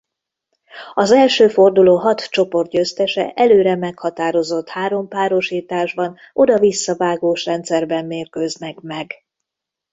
Az első forduló hat csoportgyőztese előre meghatározott három párosításban oda-visszavágós rendszerben mérkőznek meg.